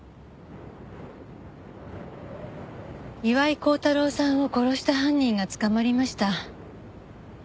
岩井剛太郎さんを殺した犯人が捕まりました。